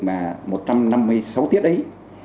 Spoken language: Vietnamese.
mà một trăm năm mươi sáu tiết ấy